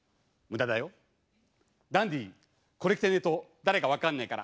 ダンディこれ着てねえと誰か分かんねえから。